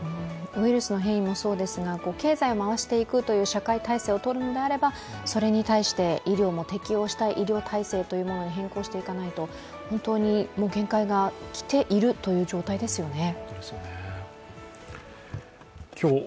ウイルスの変異もそうですが、経済を回していくという社会体制をとるのであれば、それに対して医療も適応した医療体制に変更していかないと本当に限界が来ているという状態ですよね。